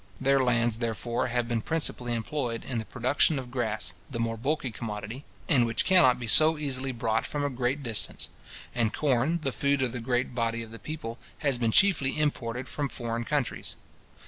Their lands, therefore, have been principally employed in the production of grass, the more bulky commodity, and which cannot be so easily brought from a great distance; and corn, the food of the great body of the people, has been chiefly imported from foreign countries.